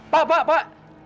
pak pak pak